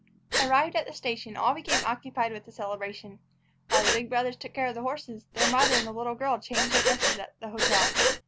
Arrived at the station, all became occupied with the celebration. While the big brothers took care of the horses, their mother and the little girl changed their dresses at the hotel.